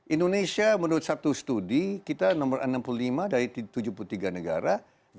indonesia menurut satu studi kita nomor enam puluh lima dari tujuh puluh tiga negara